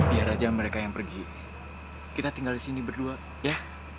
bukan mereka yang pergi kita tinggal disini berdua ya